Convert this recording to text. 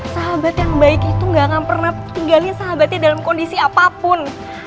sahabat yang baik itu gak akan pernah tinggalin sahabatnya dalam kondisi apapun